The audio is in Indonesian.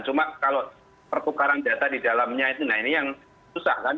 cuma kalau pertukaran data di dalamnya itu nah ini yang susah kan